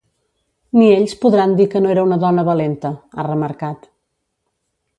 Ni ells podran dir que no era una dona valenta, ha remarcat.